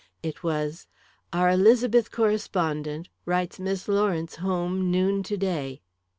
It was: "Our Elizabeth correspondent wires Miss Lawrence home noon to day.